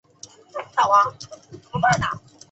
是一款由南梦宫公司制作和发行的飞行模拟游戏。